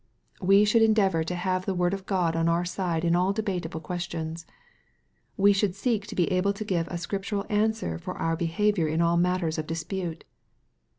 We should endeavor to have the word of God on our side in all debateable questions. We should seek to be able to give a scriptural answer for our behavior in all mat ters of dispute.